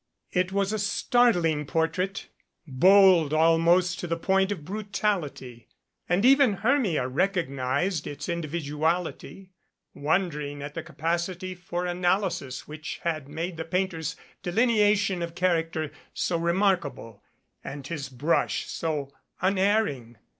It was a startling portrait, bold almost to the point of brutality, and even Hermia recognized its individuality, wondering at the capacity for analysis which had made the painter's delineation of character so remarkable, and his brush so unerring.